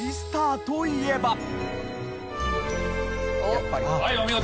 「やっぱり」「はいお見事」